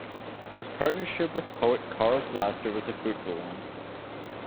His partnership with poet Karl Flaster was a fruitful one.